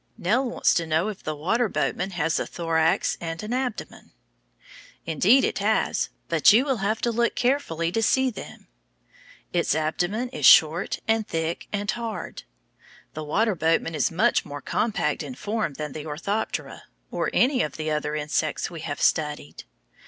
Nell wants to know if the water boatman has a thorax and an abdomen. Indeed, it has, but you will have to look carefully to see them. Its abdomen is short and thick and hard. The water boatman is much more compact in form than the Orthoptera, or any of the other insects we have studied.